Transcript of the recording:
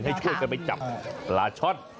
ให้ช่วยกันไปจับปลาช่อน